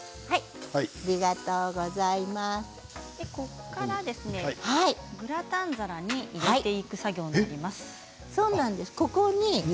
ここからグラタン皿に入れていく作業になります。